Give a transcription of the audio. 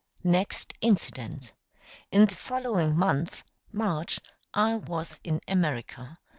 Next incident. In the following month March I was in America.